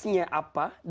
apa yang terjadi